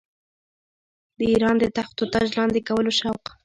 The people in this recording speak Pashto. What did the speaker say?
د اېران د تخت و تاج لاندي کولو شوق.